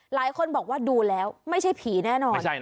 หลายคนบอกว่าดูแล้วไม่ใช่ผีแน่นอน